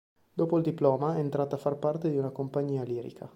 Dopo il diploma è entrata a far parte di una compagnia lirica.